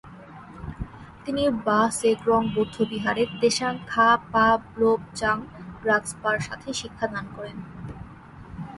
তিনি র্বা-স্গ্রেং বৌদ্ধবিহারে ত্সোং-খা-পা-ব্লো-ব্জাং-গ্রাগ্স-পার সাথে শিক্ষাদান করেন।